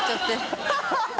ハハハ